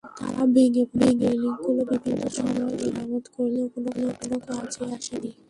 তারা ভেঙে পড়া রেলিংগুলো বিভিন্ন সময় মেরামত করলেও কোনো কাজে আসেনি।